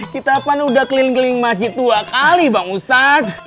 kita kan udah keliling keliling masjid dua kali bang ustadz